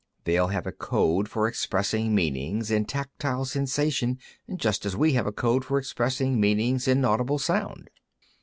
They'll have a code for expressing meanings in tactile sensation, just as we have a code for expressing meanings in audible sound."